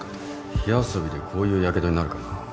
火遊びでこういうやけどになるかな。